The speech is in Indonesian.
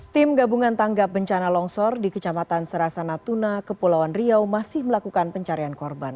tim gabungan tangga bencana longsor di kecamatan serasa natuna kepulauan riau masih melakukan pencarian korban